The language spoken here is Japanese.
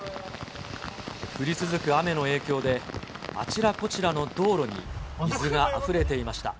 降り続く雨の影響で、あちらこちらの道路に水があふれていました。